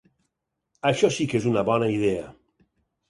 Això sí que és una bona idea.